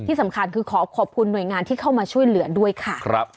ที่สำคัญคือขอขอบคุณหน่วยงานที่เข้ามาช่วยเหลือด้วยค่ะ